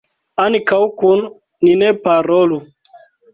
Ankaŭ kun ni ne parolu.